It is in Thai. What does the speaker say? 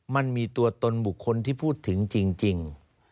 มันมีตัวตนบุคคลที่พูดถึงจริง